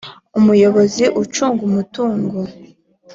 umuyobozi ucunga umutungo